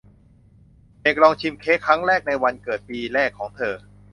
เด็กลองชิมเค้กครั้งแรกในวันเกิดปีแรกของเธอ